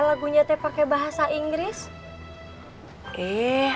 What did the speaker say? lagunya teh pakai bahasa inggris